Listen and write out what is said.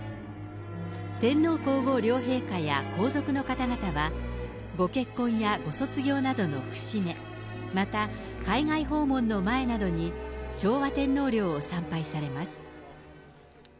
天皇皇后両陛下や皇族の方々は、ご結婚やご卒業などの節目、また海外訪問の前などに、昭和天皇陵を参拝されます。